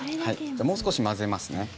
もう少し交ぜますね。